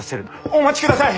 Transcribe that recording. お待ちください！